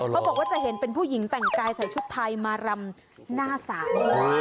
เขาบอกว่าจะเห็นเป็นผู้หญิงแต่งกายใส่ชุดไทยมารำหน้าศาล